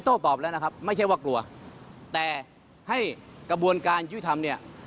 ตอบแล้วนะครับไม่ใช่ว่ากลัวแต่ให้กระบวนการยุทธรรมเนี่ย